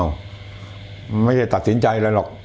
อ้าวไม่ใช่ตัดสินใจอะไรหรอก